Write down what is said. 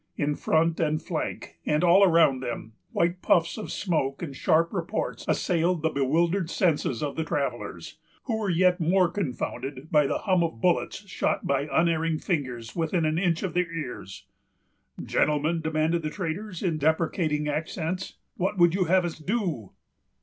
In front, and flank, and all around them, white puffs of smoke and sharp reports assailed the bewildered senses of the travellers, who were yet more confounded by the hum of bullets shot by unerring fingers within an inch of their ears. "Gentlemen," demanded the traders, in deprecating accents, "what would you have us do?"